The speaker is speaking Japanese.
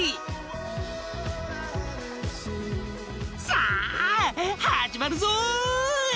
［さあ始まるぞ！］